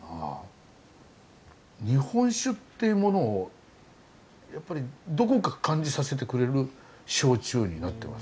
日本酒っていうものをやっぱりどこか感じさせてくれる焼酎になってます。